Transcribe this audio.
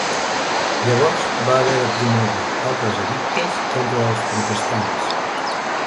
Llavors va haver de promulgar altres edictes contra els Protestants.